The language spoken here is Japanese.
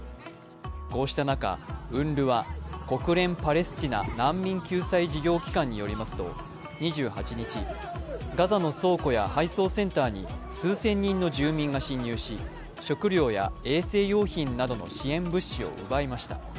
こうした中、ＵＮＲＷＡ＝国連パレスチナ難民救済事業機関によりますと、２８日、ガザの倉庫や配送センターに数千人の住民が侵入し食料や衛生用品などの支援物資を奪いました。